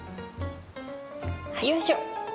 よいしょ。